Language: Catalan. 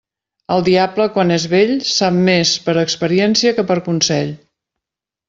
El diable quan és vell, sap més per experiència que per consell.